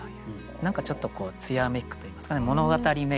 何かちょっとこう艶めくといいますかね物語めいた。